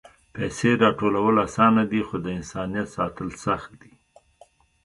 پېسې راټولول آسانه دي، خو د انسانیت ساتل سخت دي.